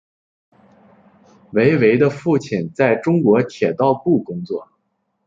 韦唯的父亲在中国铁道部工作。